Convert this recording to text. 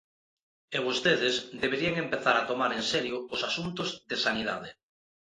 E vostedes deberían empezar a tomar en serio os asuntos de sanidade.